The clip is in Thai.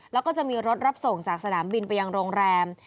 แล้วก็จะมีรถรับส่งจากสนามบินไปยังโรงแรม